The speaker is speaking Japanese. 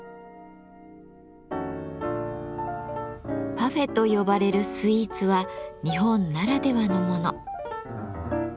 「パフェ」と呼ばれるスイーツは日本ならではのもの。